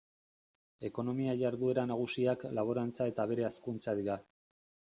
Ekonomia-jarduera nagusiak laborantza eta abere-hazkuntza dira.